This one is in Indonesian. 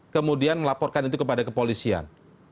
kemudian melaporkan itu kepada kepolisian